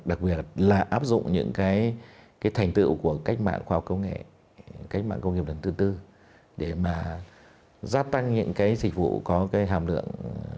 đặc biệt là áp dụng những cái thành tựu của cách mạng khoa học công nghệ cách mạng công nghiệp lần thứ tư để mà gia tăng những cái dịch vụ có cái hàm lượng lớn